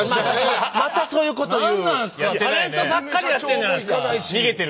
またそういうこと言う。